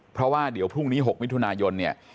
เพราะว่าเดี๋ยวพรุ่งนี้๖มิถุนายนเนี่ย